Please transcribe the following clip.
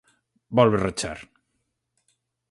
Volve rachar.